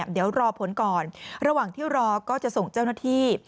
เดี๋ยวรอผลก่อนระหว่างที่รอก็จะส่งเจ้าหน้าที่